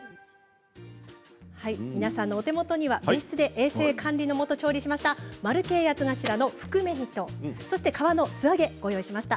皆さんのお手元には別室で衛生管理のもと調理しました丸系八つ頭の含め煮と皮の素揚げをご用意しました。